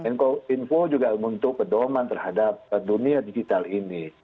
nk info juga membentuk pedoman terhadap dunia digital ini